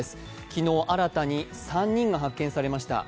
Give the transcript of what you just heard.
昨日新たに３人が発見されました。